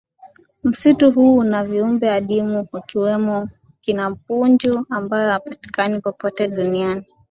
Msitu huu una viumbe adimu wakiwemo Kima punju ambae hapatikani popote duniani